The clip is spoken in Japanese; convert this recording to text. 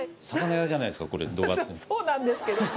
そうなんですけど。